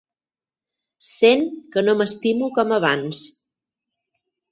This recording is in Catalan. Sent que no m'estimo com abans.